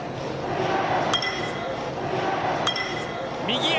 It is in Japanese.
右へ。